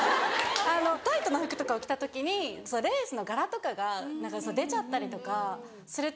タイトな服とかを着た時にレースの柄とかが何か出ちゃったりとかすると。